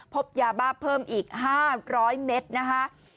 พบยาบ้าเพิ่มอีก๕๐๐เมตรนะคะ